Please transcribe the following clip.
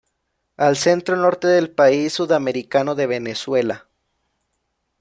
Al centro norte del país sudamericano de Venezuela.